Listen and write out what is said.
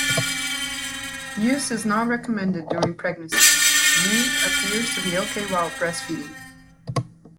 Use is not recommended during pregnancy Use appears to be okay while breastfeeding.